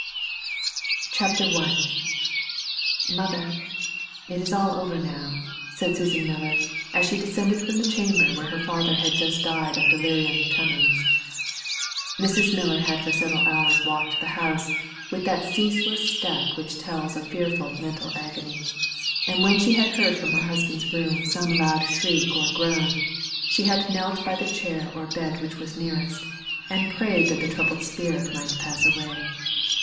CHAPTER I. "Mother, it is all over now," said Susan Miller, as she descended from the chamber where her father had just died of delirium tremens. Mrs. Miller had for several hours walked the house, with that ceaseless step which tells of fearful mental agony: and when she had heard from her husband's room some louder shriek or groan, she had knelt by the chair or bed which was nearest, and prayed that the troubled spirit might pass away.